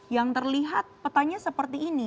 yang terlihat petanya seperti ini